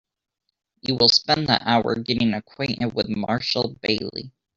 You will spend that hour getting acquainted with Marshall Bailey.